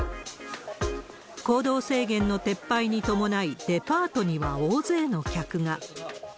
行動制限の撤廃に伴い、デパートには大勢の客が。